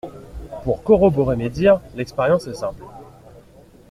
Pour corroborer mes dires, l’expérience est simple.